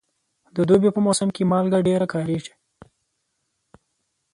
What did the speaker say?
د دوبي په موسم کې مالګه ډېره کارېږي.